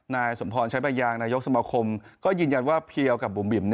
นายสมพรใช้ประยางนายกสมคมก็ยืนยันว่าเพียวกับบุ๋มบิ๋ม